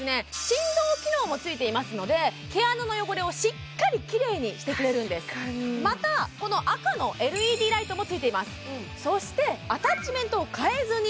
振動機能もついていますので毛穴の汚れをしっかりきれいにしてくれるんですまたこの赤のＬＥＤライトもついています